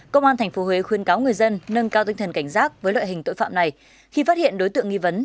công an tp huế khuyên cáo người dân nâng cao tinh thần cảnh giác với loại hình tội phạm này khi phát hiện đối tượng nghi vấn